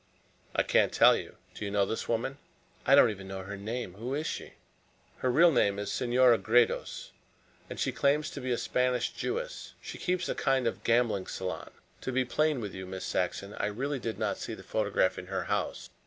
"I can't tell you. Do you know this woman?" "I don't even know her name. Who is she?" "Her real name is Senora Gredos and she claims to be a Spanish Jewess. She keeps a kind of gambling salon. To be plain with you, Miss Saxon, I really did not see the photograph in her house.